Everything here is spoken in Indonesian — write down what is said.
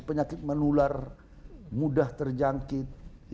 penyakit menular mudah terjangkit